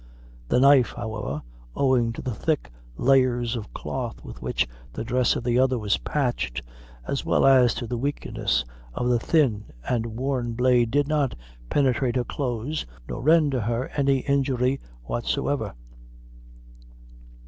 The knife, however, owing to the thick layers of cloth with which the dress of the other was patched, as well as to the weakness of the thin and worn blade, did not penetrate her clothes, nor render her any injury whatsoever.